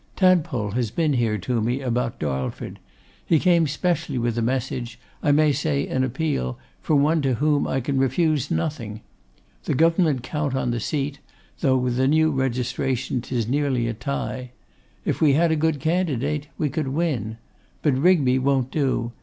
Tadpole has been here to me about Darlford; he came specially with a message, I may say an appeal, from one to whom I can refuse nothing; the Government count on the seat, though with the new Registration 'tis nearly a tie. If we had a good candidate we could win. But Rigby won't do.